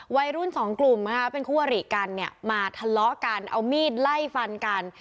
วัยรุ่นสองกลุ่มนะคะเป็นคู่อริกันเนี่ยมาทะเลาะกันเอามีดไล่ฟันกัน